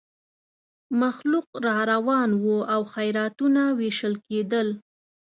مخلوق را روان وو او خیراتونه وېشل کېدل.